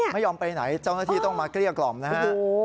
ไม่ยอมไปไหนเจ้าหน้าที่ต้องมาเกลี้ยกล่อมนะฮะ